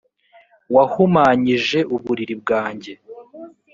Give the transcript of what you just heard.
wahumanyije uburiri bwanjye